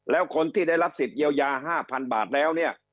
แล้วคนที่ได้รับสิทธิเยียวยา๕๐๐๐บาทแล้วเนี่ย